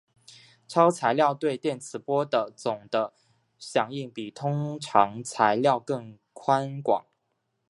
超材料对电磁波的总的响应比通常材料更宽广。